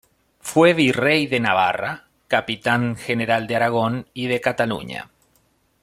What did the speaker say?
Fue virrey de Navarra, capitán general de Aragón y de Cataluña.